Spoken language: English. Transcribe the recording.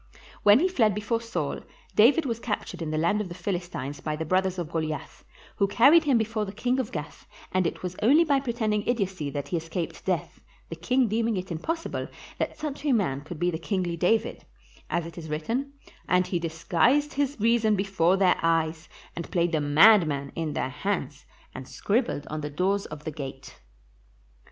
When he fled from before Saul, David was captured in the land of the Philistines by the brothers of Goliath, who carried him before the king of Gath, and it was only by pretending idiocy that he escaped death, the king deeming it impossible that such a man could be the kingly David; as it is written, "And he disguised his reason before their eyes, and played the madman in their hands, and scribbled on the doors of the gate."